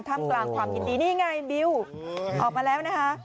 กลางความยินดีนี่ไงบิวออกมาแล้วนะคะ